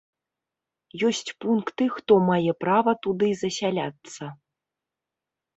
Ёсць пункты, хто мае права туды засяляцца.